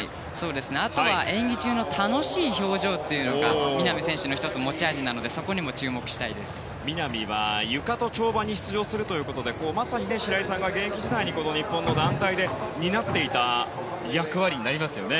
あとは、演技中の楽しい表情というのが南選手の持ち味なので南は、ゆかと跳馬に出場するということでまさに白井さんが現役時代に日本の団体で担っていた役割になりますね。